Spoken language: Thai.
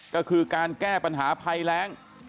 ก็คือการแก้ปัญหาภัยแรง